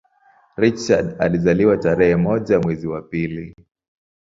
Richard alizaliwa tarehe moja mwezi wa pili